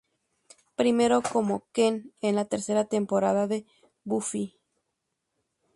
Primero como Ken en la tercera temporada de Buffy.